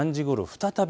再び